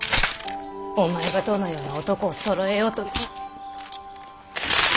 お前がどのような男をそろえようとな。